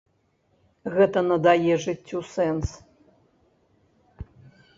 Гэта надае жыццю сэнс.